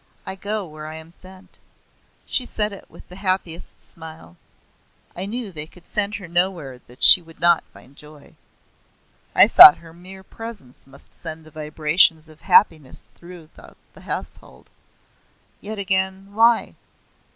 I go where I am sent." She said it with the happiest smile. I knew they could send her nowhere that she would not find joy. I thought her mere presence must send the vibrations of happiness through the household. Yet again why?